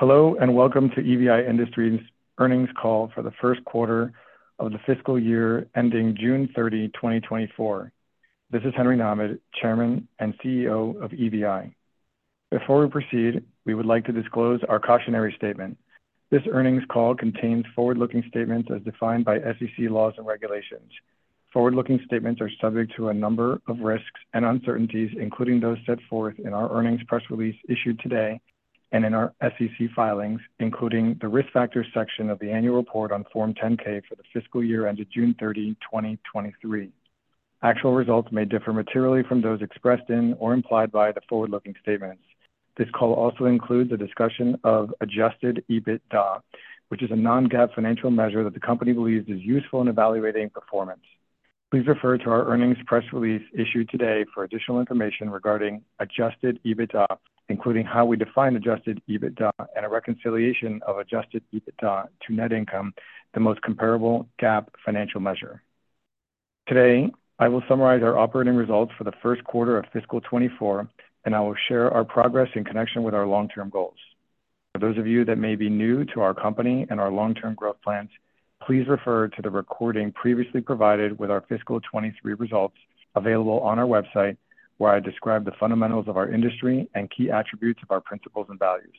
Hello, and welcome to EVI Industries' earnings call for the Q1 of the fiscal year ending June 30, 2024. This is Henry Nahmad, Chairman and CEO of EVI. Before we proceed, we would like to disclose our cautionary statement. This earnings call contains forward-looking statements as defined by SEC laws and regulations. Forward-looking statements are subject to a number of risks and uncertainties, including those set forth in our earnings press release issued today and in our SEC filings, including the Risk Factors section of the annual report on Form 10-K for the fiscal year ended June 30, 2023. Actual results may differ materially from those expressed in or implied by the forward-looking statements. This call also includes a discussion of Adjusted EBITDA, which is a non-GAAP financial measure that the company believes is useful in evaluating performance. Please refer to our earnings press release issued today for additional information regarding Adjusted EBITDA, including how we define Adjusted EBITDA and a reconciliation of Adjusted EBITDA to net income, the most comparable GAAP financial measure. Today, I will summarize our operating results for the Q1 of fiscal 2024, and I will share our progress in connection with our long-term goals. For those of you that may be new to our company and our long-term growth plans, please refer to the recording previously provided with our fiscal 2023 results available on our website, where I describe the fundamentals of our industry and key attributes of our principles and values.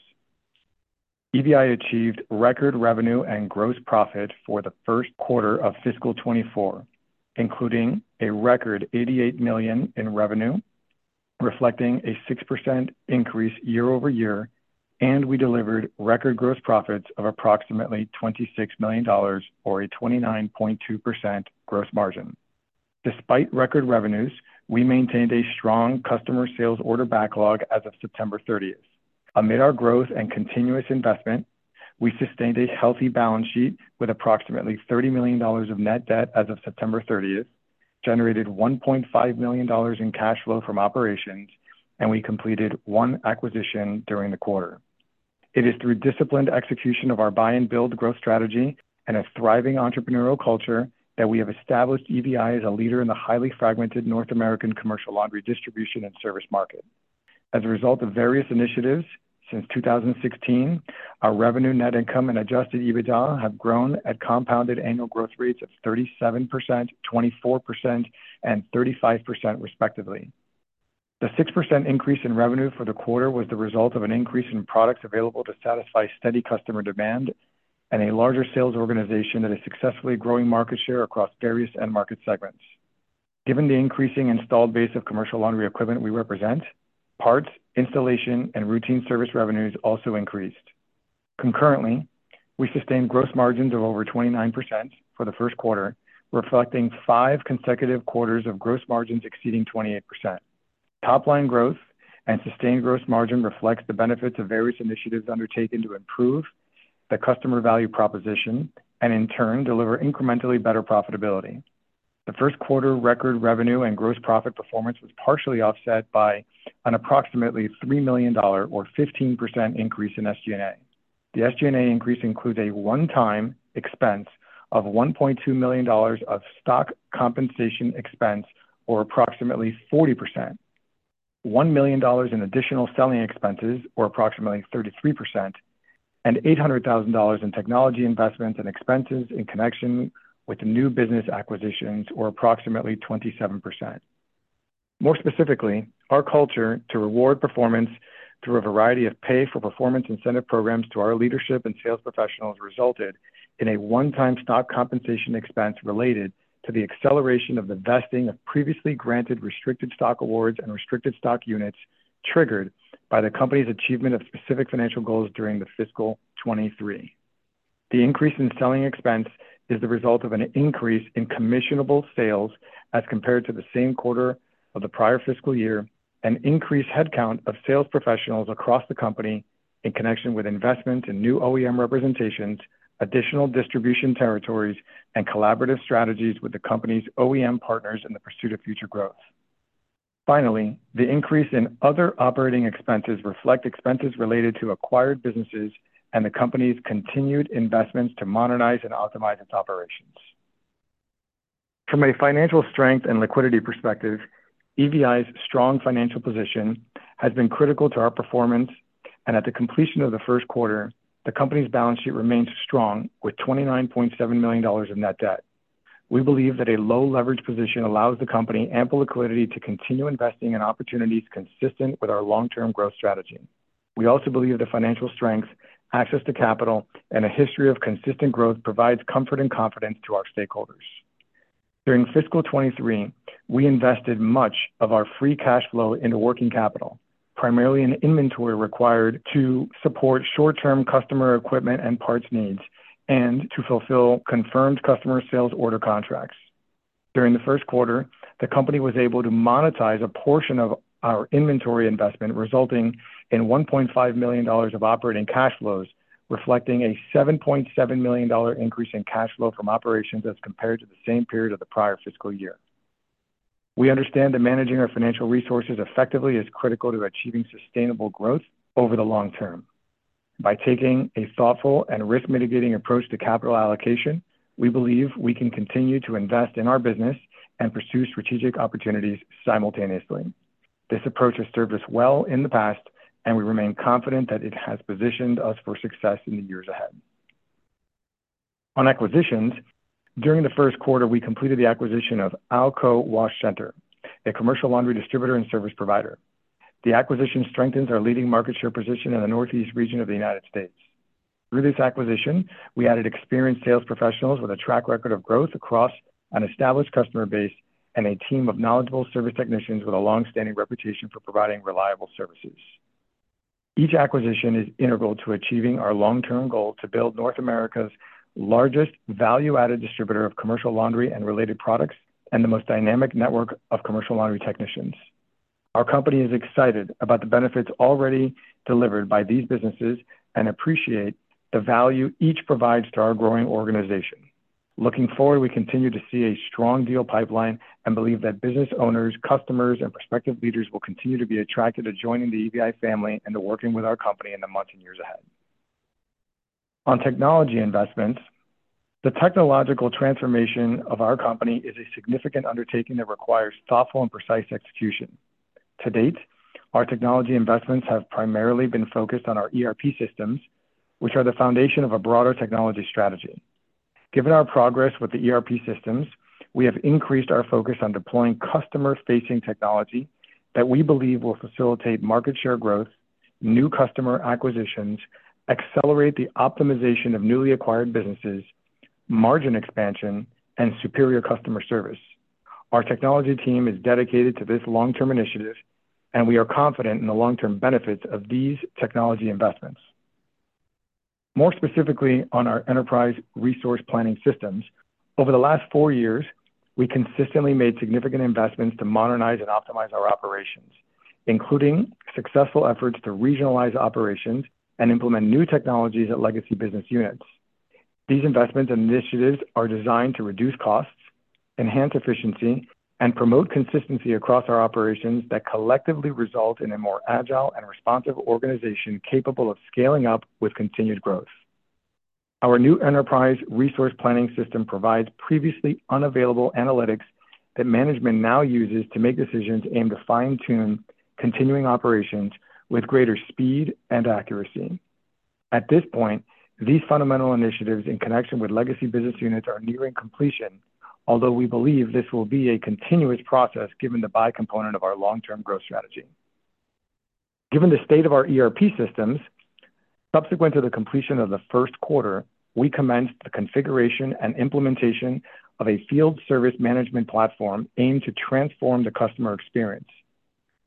EVI achieved record revenue and gross profit for the Q1 of fiscal 2024, including a record $88 million in revenue, reflecting a 6% increase year-over-year, and we delivered record gross profits of approximately $26 million or a 29.2% gross margin. Despite record revenues, we maintained a strong customer sales order backlog as of September thirtieth. Amid our growth and continuous investment, we sustained a healthy balance sheet with approximately $30 million of net debt as of September thirtieth, generated $1.5 million in cash flow from operations, and we completed one acquisition during the quarter. It is through disciplined execution of our buy and build growth strategy and a thriving entrepreneurial culture that we have established EVI as a leader in the highly fragmented North American commercial laundry distribution and service market. As a result of various initiatives since 2016, our revenue, net income and Adjusted EBITDA have grown at compounded annual growth rates of 37%, 24%, and 35%, respectively. The 6% increase in revenue for the quarter was the result of an increase in products available to satisfy steady customer demand and a larger sales organization that is successfully growing market share across various end market segments. Given the increasing installed base of commercial laundry equipment we represent, parts, installation, and routine service revenues also increased. Concurrently, we sustained gross margins of over 29% for the Q1, reflecting five consecutive quarters of gross margins exceeding 28%. Top-line growth and sustained gross margin reflects the benefits of various initiatives undertaken to improve the customer value proposition and in turn, deliver incrementally better profitability. The Q1 record revenue and gross profit performance was partially offset by an approximately $3 million or 15% increase in SG&A. The SG&A increase includes a one-time expense of $1.2 million dollars of stock compensation expense, or approximately 40%, $1 million in additional selling expenses, or approximately 33%, and $800,000 in technology investments and expenses in connection with new business acquisitions, or approximately 27%. More specifically, our culture to reward performance through a variety of pay-for-performance incentive programs to our leadership and sales professionals resulted in a one-time stock compensation expense related to the acceleration of the vesting of previously granted restricted stock awards and restricted stock units, triggered by the company's achievement of specific financial goals during the fiscal 2023. The increase in selling expense is the result of an increase in commissionable sales as compared to the same quarter of the prior fiscal year, and increased headcount of sales professionals across the company in connection with investment in new OEM representations, additional distribution territories, and collaborative strategies with the company's OEM partners in the pursuit of future growth. Finally, the increase in other operating expenses reflect expenses related to acquired businesses and the company's continued investments to modernize and optimize its operations. From a financial strength and liquidity perspective, EVI's strong financial position has been critical to our performance, and at the completion of the Q1, the company's balance sheet remains strong with $29.7 million in net debt. We believe that a low leverage position allows the company ample liquidity to continue investing in opportunities consistent with our long-term growth strategy. We also believe that financial strength, access to capital, and a history of consistent growth provides comfort and confidence to our stakeholders. During fiscal 2023, we invested much of our free cash flow into working capital, primarily in inventory required to support short-term customer equipment and parts needs, and to fulfill confirmed customer sales order contracts. During the Q1, the company was able to monetize a portion of our inventory investment, resulting in $1.5 million of operating cash flows, reflecting a $7.7 million increase in cash flow from operations as compared to the same period of the prior fiscal year. We understand that managing our financial resources effectively is critical to achieving sustainable growth over the long term. By taking a thoughtful and risk mitigating approach to capital allocation, we believe we can continue to invest in our business and pursue strategic opportunities simultaneously. This approach has served us well in the past, and we remain confident that it has positioned us for success in the years ahead. On acquisitions, during the Q1, we completed the acquisition of Alco Washer Center, a commercial laundry distributor and service provider. The acquisition strengthens our leading market share position in the Northeast region of the United States. Through this acquisition, we added experienced sales professionals with a track record of growth across an established customer base and a team of knowledgeable service technicians with a long-standing reputation for providing reliable services. Each acquisition is integral to achieving our long-term goal to build North America's largest value-added distributor of commercial laundry and related products, and the most dynamic network of commercial laundry technicians. Our company is excited about the benefits already delivered by these businesses and appreciate the value each provides to our growing organization. Looking forward, we continue to see a strong deal pipeline and believe that business owners, customers, and prospective leaders will continue to be attracted to joining the EVI family and to working with our company in the months and years ahead. On technology investments, the technological transformation of our company is a significant undertaking that requires thoughtful and precise execution. To date, our technology investments have primarily been focused on our ERP systems, which are the foundation of a broader technology strategy. Given our progress with the ERP systems, we have increased our focus on deploying customer-facing technology that we believe will facilitate market share growth, new customer acquisitions, accelerate the optimization of newly acquired businesses, margin expansion, and superior customer service. Our technology team is dedicated to this long-term initiative, and we are confident in the long-term benefits of these technology investments. More specifically, on our enterprise resource planning systems, over the last four years, we consistently made significant investments to modernize and optimize our operations, including successful efforts to regionalize operations and implement new technologies at legacy business units. These investments and initiatives are designed to reduce costs, enhance efficiency, and promote consistency across our operations that collectively result in a more agile and responsive organization capable of scaling up with continued growth. Our new enterprise resource planning system provides previously unavailable analytics that management now uses to make decisions aimed to fine-tune continuing operations with greater speed and accuracy. At this point, these fundamental initiatives in connection with legacy business units are nearing completion, although we believe this will be a continuous process given the buy component of our long-term growth strategy. Given the state of our ERP systems, subsequent to the completion of the Q1, we commenced the configuration and implementation of a field service management platform aimed to transform the customer experience.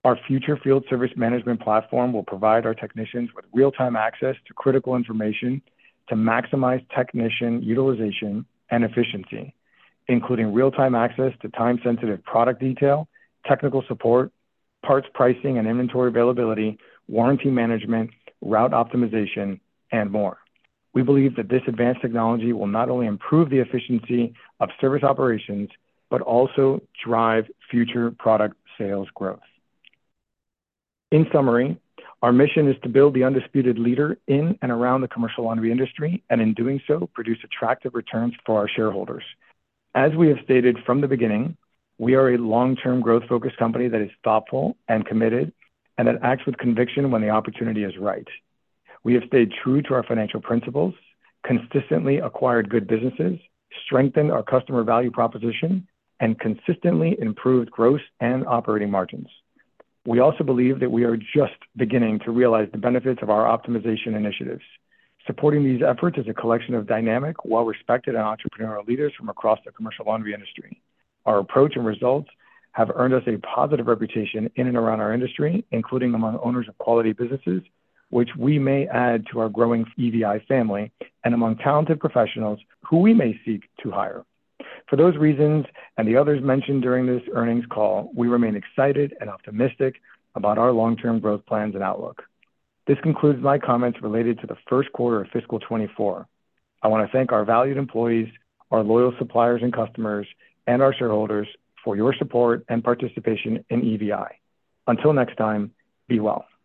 Our future field service management platform will provide our technicians with real-time access to critical information to maximize technician utilization and efficiency, including real-time access to time-sensitive product detail, technical support, parts pricing and inventory availability, warranty management, route optimization, and more. We believe that this advanced technology will not only improve the efficiency of service operations, but also drive future product sales growth. In summary, our mission is to build the undisputed leader in and around the commercial laundry industry, and in doing so, produce attractive returns for our shareholders. As we have stated from the beginning, we are a long-term, growth-focused company that is thoughtful and committed and that acts with conviction when the opportunity is right. We have stayed true to our financial principles, consistently acquired good businesses, strengthened our customer value proposition, and consistently improved gross and operating margins. We also believe that we are just beginning to realize the benefits of our optimization initiatives. Supporting these efforts is a collection of dynamic, well-respected, and entrepreneurial leaders from across the commercial laundry industry. Our approach and results have earned us a positive reputation in and around our industry, including among owners of quality businesses, which we may add to our growing EVI family, and among talented professionals who we may seek to hire. For those reasons, and the others mentioned during this earnings call, we remain excited and optimistic about our long-term growth plans and outlook. This concludes my comments related to the Q1 of fiscal 2024. I want to thank our valued employees, our loyal suppliers and customers, and our shareholders for your support and participation in EVI. Until next time, be well.